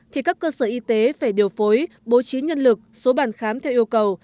thì các cơ sở y tế phải điều phối bố trí nhân lực số bàn khám theo yêu cầu